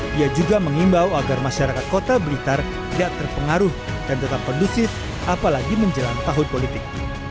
dia juga mengimbau agar masyarakat kota blitar tidak terpengaruh dan tetap kondusif apalagi menjelang tahun politik